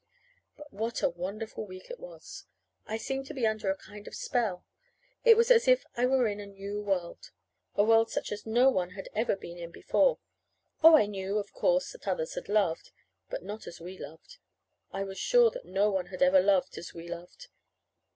But what a wonderful week that was! I seemed to be under a kind of spell. It was as if I were in a new world a world such as no one had ever been in before. Oh, I knew, of course, that others had loved but not as we loved. I was sure that no one had ever loved as we loved.